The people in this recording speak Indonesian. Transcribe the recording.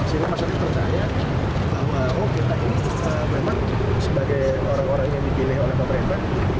sehingga masyarakat percaya bahwa oh kita ini memang sebagai orang orang yang dipilih oleh pemerintah